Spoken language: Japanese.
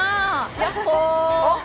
やっほー！